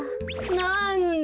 なんだ。